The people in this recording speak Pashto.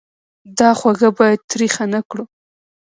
دا خوږه باید تریخه نه کړو.